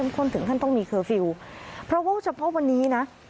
มาตรการเข้มข้นถึงการต้องมีเคอร์ฟิลเพราะว่าเฉพาะวันนี้นะ